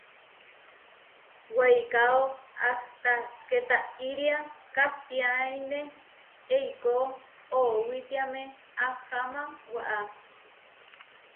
Weikáo ahtá ké taʼiria kahtiáine, eikó oʼowitiáme aháma waʼá.